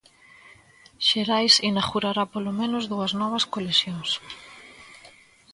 Xerais inaugurará polo menos dúas novas coleccións.